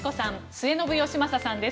末延吉正さんです。